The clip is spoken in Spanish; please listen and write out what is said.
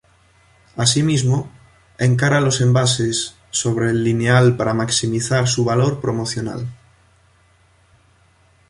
Asimismo, encara los envases sobre el lineal para maximizar su valor promocional.